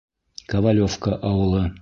Ковалевка ауылы.